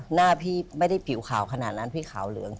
หน้าพี่ไม่ได้ผิวขาวขนาดนั้นพี่ขาวเหลือง